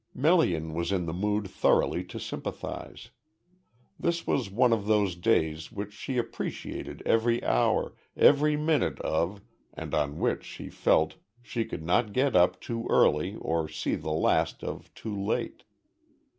Melian was in the mood thoroughly to sympathise. This was one of those days which she appreciated every hour, every minute of and on which she felt she could not get up too early or see the last of too late.